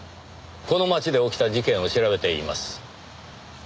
この街で起きた事件を調べています。